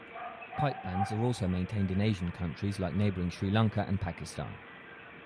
Pipe bands are also maintained in Asian countries like neighboring Sri Lanka and Pakistan.